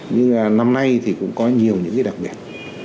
nhưng năm nay thì cũng có nhiều những cái đặc biệt